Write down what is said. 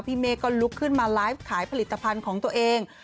เมฆก็ลุกขึ้นมาไลฟ์ขายผลิตภัณฑ์ของตัวเอง